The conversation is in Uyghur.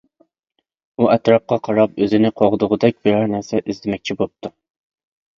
ئۇ ئەتراپقا قاراپ ئۆزىنى قوغدىغۇدەك بىرەر نەرسە ئىزدىمەكچى بوپتۇ.